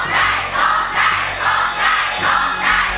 คุณยายแดงคะทำไมต้องซื้อลำโพงและเครื่องเสียง